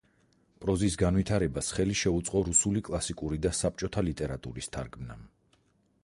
პროზის განვითარებას ხელი შეუწყო რუსული კლასიკური და საბჭოთა ლიტერატურის თარგმნამ.